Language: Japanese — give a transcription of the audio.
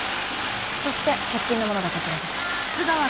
そして直近のものがこちらです。